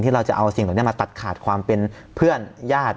ที่เราจะเอาสิ่งต่อเนี่ยมาตัดขาดความเป็นเพื่อนญาติ